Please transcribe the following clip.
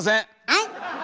はい！